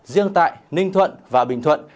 riêng tại ninh thuận và bình thuận